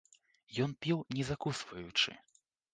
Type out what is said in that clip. Ён піў не закусваючы.